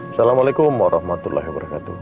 assalamualaikum warahmatullahi wabarakatuh